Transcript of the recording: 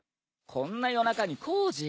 こんな夜中に工事？